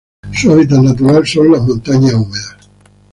Su hábitat natural son: montañas húmedas.